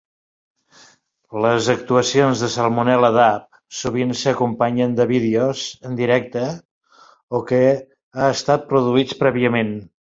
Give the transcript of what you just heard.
Les actuacions de Salmonella Dub sovint s'acompanyen de vídeos en directe o que ha estat produïts prèviament.